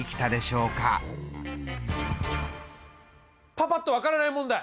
パパっと分からない問題！